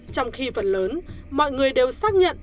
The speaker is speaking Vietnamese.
trong khi vật lớn mọi người đều xác nhận